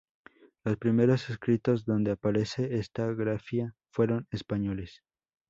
Los primeros escritos donde aparece esta grafía fueron españoles.